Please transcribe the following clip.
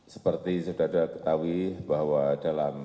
seperti sudah daulah ketahui bahwa dalam